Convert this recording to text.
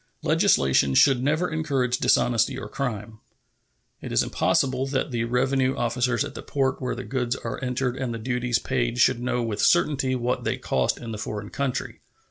Legislation should never encourage dishonesty or crime. It is impossible that the revenue officers at the port where the goods are entered and the duties paid should know with certainty what they cost in the foreign country.